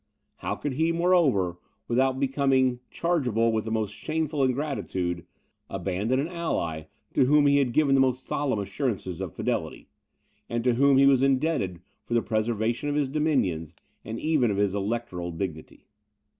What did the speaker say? How could he, moreover, without becoming chargeable with the most shameful ingratitude, abandon an ally to whom he had given the most solemn assurances of fidelity, and to whom he was indebted for the preservation of his dominions, and even of his Electoral dignity?